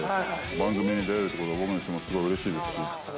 番組に出られることは、僕にとってもすごいうれしいですし。